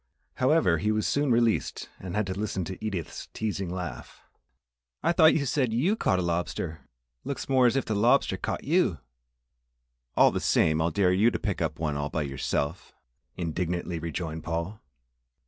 However, he was soon released and had to listen to Edith's teasing laugh. "I thought you said you'd caught a lobster! Looks more as if the lobster caught you!" "All the same, I'll dare you to pick up one all by yourself!" indignantly rejoined Paul.